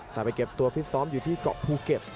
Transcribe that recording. แต่ไปเก็บตัวฟิตซ้อมอยู่ที่เกาะภูเก็ต